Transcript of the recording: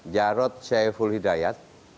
jarod syaiful hidayat